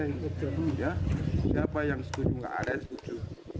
siapa yang setuju nggak ada setuju